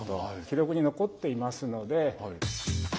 記録に残っていますので。